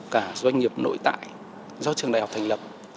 cả doanh nghiệp nội tại do trường đại học thành lập